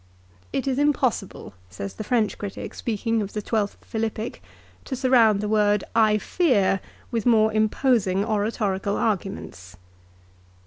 " It is impossible," says the French critic speaking of the twelfth Philippic, " to surround the word, ' I fear,' with more imposing oratorical arguments."